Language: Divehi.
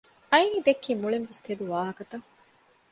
އައިނީ ދެއްކީ މުޅިންވެސް ތެދު ވާހަކަތައް